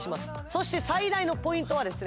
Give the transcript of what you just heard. そして最大のポイントはですね